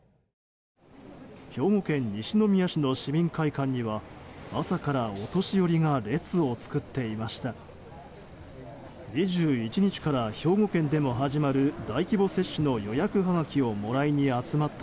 兵庫県西宮市の市民会館には朝からお年寄りが列を作っていました。